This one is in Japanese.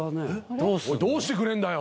おいどうしてくれんだよ。